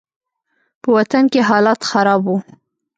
په وطن کښې حالات خراب وو.